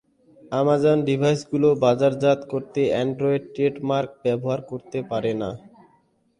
Amazon ডিভাইসগুলি বাজারজাত করতে অ্যান্ড্রয়েড ট্রেডমার্ক ব্যবহার করতে পারে না।